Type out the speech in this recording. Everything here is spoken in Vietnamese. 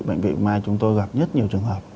bệnh viện mai chúng tôi gặp rất nhiều trường hợp